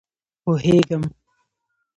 پوهېږم.